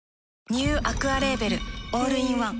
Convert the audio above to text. ニューアクアレーベルオールインワン